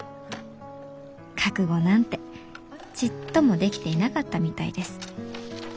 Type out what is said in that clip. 覚悟なんてちっともできていなかったみたいです。